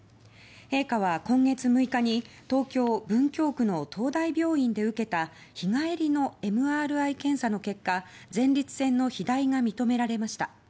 陛下は今月６日に東京・文京区の東大病院で受けた日帰りのＭＲＩ検査の結果前立腺の肥大が認められました。